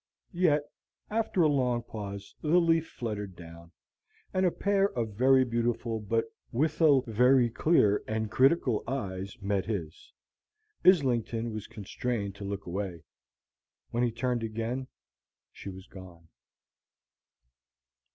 Yet, after a long pause, the leaf fluttered down, and a pair of very beautiful but withal very clear and critical eyes met his. Islington was constrained to look away. When he turned again, she was gone.